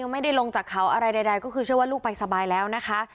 ไม่ได้ลงจากเขาอะไรใดก็คือเชื่อว่าลูกไปสบายแล้วนะคะ